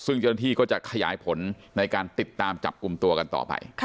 ซึ่งเจ้าหน้าที่ก็จะขยายผลในการติดตามจับกลุ่มตัวกันต่อไป